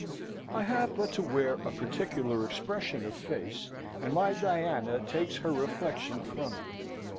I have but to wear a particular expression of face and my Diana takes her reflection from it.